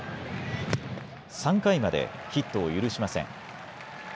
３回までヒットを許しません。